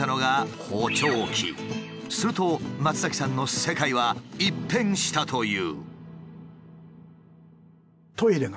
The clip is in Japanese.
すると松崎さんの世界は一変したという。